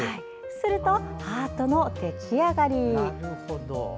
するとハートの出来上がり。